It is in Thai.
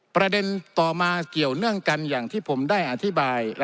ประเด็นต่อมาเกี่ยวเนื่องกันอย่างที่ผมได้อธิบาย